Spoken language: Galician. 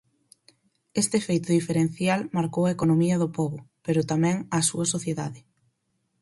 Este feito diferencial marcou a economía do pobo, pero tamén á súa sociedade.